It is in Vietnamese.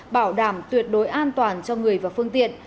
bảo đảm tuyệt đối an toàn cho người và phương tiện